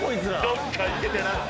「どっか行け」って。